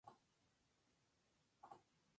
Es donde Homer Simpson suele ir a comprar.